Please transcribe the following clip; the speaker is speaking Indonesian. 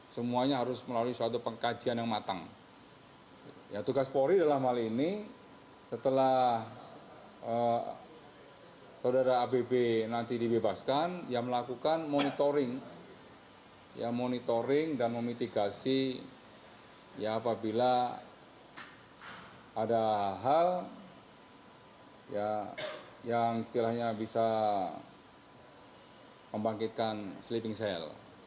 setelah saudara abb nanti dibebaskan melakukan monitoring dan memitigasi apabila ada hal yang setelahnya bisa membangkitkan sleeping cell